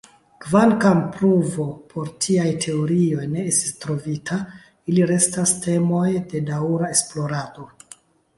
Kvankam pruvo por tiaj teorioj ne estis trovita, ili restas temoj de daŭra esplorado.